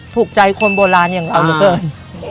ถูกใจคนโบราณอย่างเราเหลือเกิน